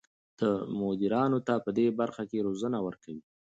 دا مدیرانو ته پدې برخه کې روزنه ورکوي.